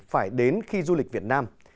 phải đến khi du lịch việt nam